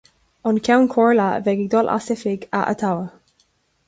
An Ceann Comhairle a bheidh ag dul as oifig a atoghadh.